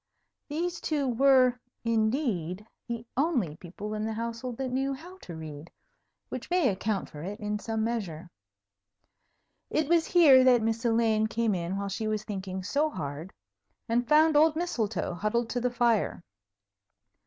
These two were, indeed, the only people in the household that knew how to read, which may account for it in some measure. It was here that Miss Elaine came in while she was thinking so hard, and found old Mistletoe huddled to the fire.